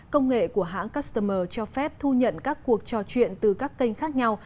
công nghệ của hãng customer cho phép thu nhận các cuộc trò chuyện từ các kênh khác nhau